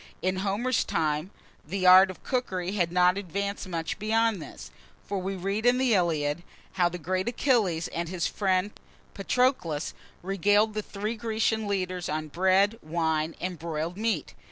In Homer's time, the, art of cookery had not advanced much beyond this; for we read in the "Iliad," how the great Achilles and his friend Patroclus regaled the three Grecian leaders on bread, wine, and broiled meat.